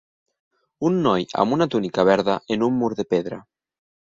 Un noi amb una túnica verda en un mur de pedra.